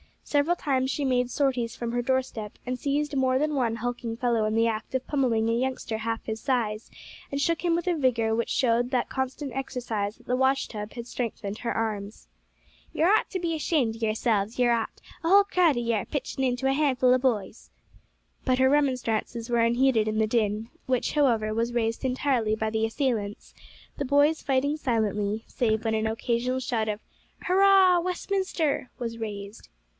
Several times she made sorties from her doorstep, and seized more than one hulking fellow in the act of pummelling a youngster half his size, and shook him with a vigour which showed that constant exercise at the wash tub had strengthened her arms. "Yer ought to be ashamed of yerselves, yer ought; a whole crowd of yer pitching into a handful o' boys." But her remonstrances were unheeded in the din, which, however, was raised entirely by the assailants, the boys fighting silently, save when an occasional shout of "Hurrah, Westminster!" was raised.